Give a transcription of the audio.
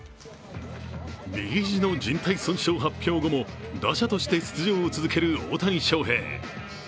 右肘のじん帯損傷発表後も打者として出場を続ける大谷翔平。